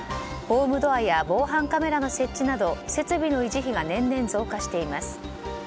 ホームドアや防犯カメラの設置など設備の維持費が年々増加しています。